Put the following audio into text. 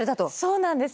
そうなんです。